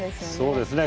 そうですね。